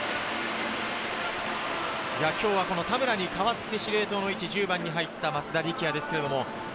今日は田村に代わって司令塔の位置、１０番に入った松田力也です。